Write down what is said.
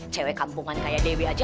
cewek kampungan kayak dewi aja